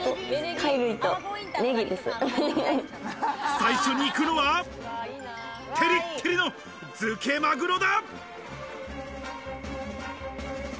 最初に行くのは照り照りの漬けマグロだ！